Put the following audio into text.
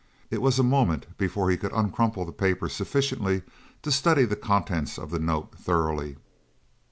It was a moment before he could uncrumple the paper sufficiently to study the contents of the note thoroughly.